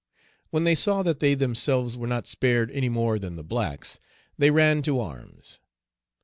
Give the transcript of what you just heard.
When they saw that they themselves were not spared any more than the blacks, they ran to arms.